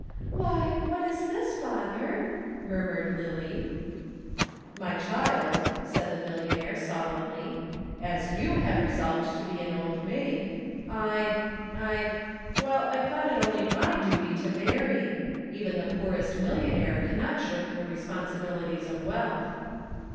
"Why, what is this, father?" murmured Lillie. "My child," said the millionaire solemnly. "As you have resolved to be an Old Maid, I I well I thought it only my duty to marry. Even the poorest millionaire cannot shirk the responsibilities of wealth."